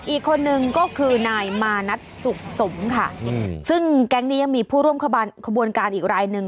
อีกคนนึงก็คือนายมานัทสุขสมค่ะซึ่งแก๊งนี้ยังมีผู้ร่วมขบวนการอีกรายหนึ่ง